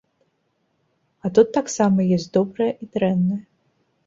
А тут таксама ёсць добрая і дрэнная.